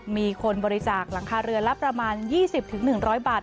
มีคนบริจาคหลังคาเรือนละประมาณ๒๐๑๐๐บาท